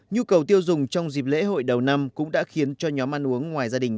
nhu cầu tiêu dùng trong dịp lễ hội đầu năm cũng đã khiến cho nhóm ăn uống ngoài gia đình